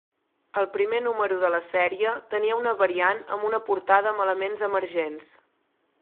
El primer número de la sèrie tenia una variant amb una portada amb elements emergents.